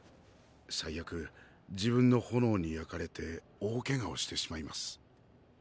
最悪自分の炎に焼かれて大怪我をしてしまいます。